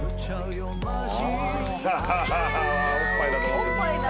おっぱいだ。